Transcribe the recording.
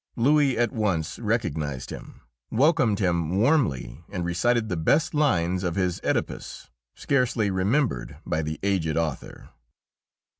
Louis at once recognised him, welcomed him warmly, and recited the best lines of his "Oedipus," scarcely remembered by the aged author.